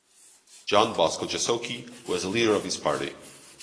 John Bosco Jasokie was the leader of this party.